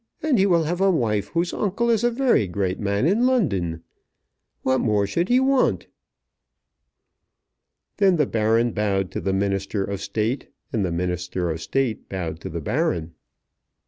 And he will have a wife whose uncle is a very great man in London. What more should he want?" Then the Baron bowed to the Minister of State, and the Minister of State bowed to the Baron.